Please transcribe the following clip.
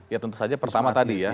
ya tentu saja pertama tadi ya